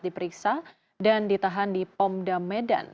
diperiksa dan ditahan di pom dam medan